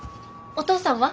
お父さんは？